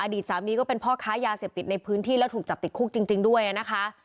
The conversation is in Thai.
สามีก็เป็นพ่อค้ายาเสพติดในพื้นที่แล้วถูกจับติดคุกจริงด้วยนะคะ